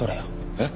えっ？